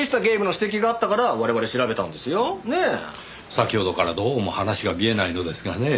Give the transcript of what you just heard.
先ほどからどうも話が見えないのですがねぇ。